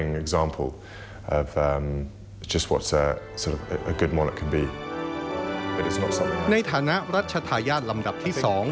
ในฐานะรัชธาญาติลำดับที่๒